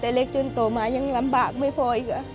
แต่เล็กจนโตมายังลำบากไม่พออีก